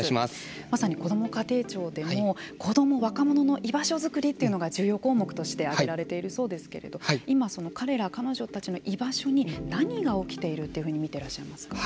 まさにこども家庭庁でも子ども、若者の居場所づくりというのが重要項目として挙げられているそうですけれども今、彼ら彼女たちの居場所に何が起きているというふうに見ていらっしゃいますか。